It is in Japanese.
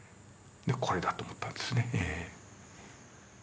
これだと思ったんですねええ。